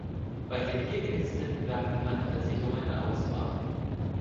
Bei den hier gelisteten Werken handelt es sich um eine Auswahl.